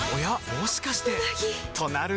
もしかしてうなぎ！